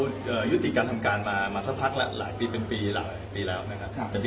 แล้วที่ทางคุณบอยไปถ่ายคลิปนะครับเรื่องสถานที่แล้วนะครับ